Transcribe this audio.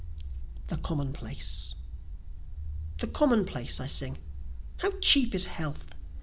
The Commonplace The commonplace I sing; How cheap is health!